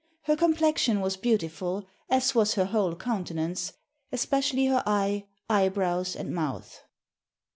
Her complexion was beautiful, as was her whole countenance, especially her eye, eyebrows, and mouth."